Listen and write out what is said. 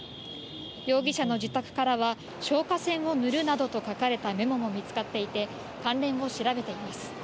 容疑者の自宅からは、消火栓をぬるなどと書かれたメモも見つかっていて、関連を調べています。